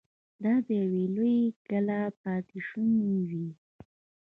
دا د يوې لويې کلا پاتې شونې وې.